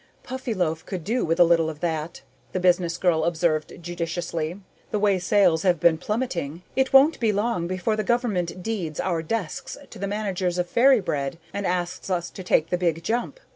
"Puffyloaf could do with a little of that," the business girl observed judiciously. "The way sales have been plummeting, it won't be long before the Government deeds our desks to the managers of Fairy Bread and asks us to take the Big Jump.